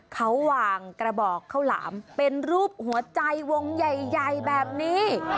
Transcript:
เขาวางกระบอกข้าวหลามเป็นรูปหัวใจวงใหญ่แบบนี้